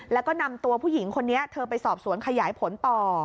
แล้วก็นำตัวผู้หญิงคนนี้เธอไปสอบสวนขยายผลต่อ